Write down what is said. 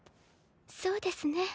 そうですね。